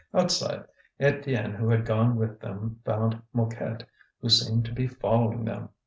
Outside, Étienne who had gone with them found Mouquette, who seemed to be following them.